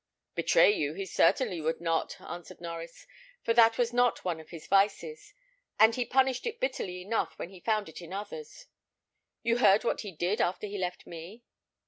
"Betray you he certainly would not," answered Norries; "for that was not one of his vices; and he punished it bitterly enough when he found it in others. You heard what he did after he left me?"